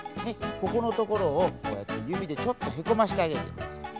ここのところをこうやってゆびでちょっとへこましてあげてください。